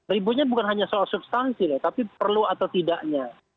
ributnya bukan hanya soal substansi tapi perlu atau tidaknya